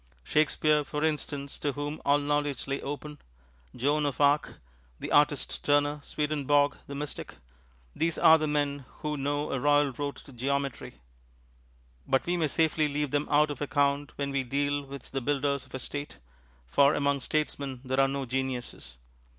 Shakespeare, for instance, to whom all knowledge lay open; Joan of Arc; the artist Turner; Swedenborg, the mystic these are the men who know a royal road to geometry; but we may safely leave them out of account when we deal with the builders of a State, for among statesmen there are no geniuses.